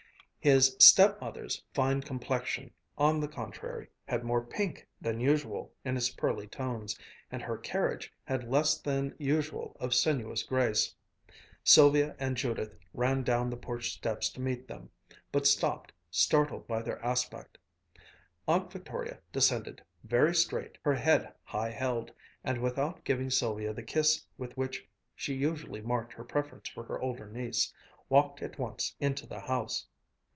His stepmother's fine complexion, on the contrary, had more pink than usual in its pearly tones, and her carriage had less than usual of sinuous grace. Sylvia and Judith ran down the porch steps to meet them, but stopped, startled by their aspect. Aunt Victoria descended, very straight, her head high held, and without giving Sylvia the kiss with which she usually marked her preference for her older niece, walked at once into the house.